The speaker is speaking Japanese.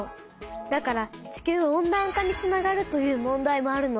だから地球温暖化につながるという問題もあるの。